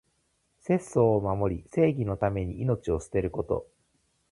節操を守り、正義のために命を捨てること。